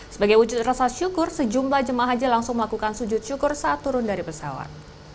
sebagai wujud rasa syukur sejumlah jemaah haji langsung melakukan sujud syukur saat turun dari pesawat